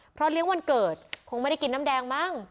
เพราะเลี้ยงวันเกิดคงไม่ได้กินน้ำแดงมั้ง